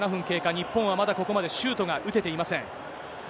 日本はまだここまでシュートが打てていません。